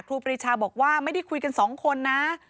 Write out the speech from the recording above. ครีชาบอกว่าไม่ได้คุยกันสองคนนะ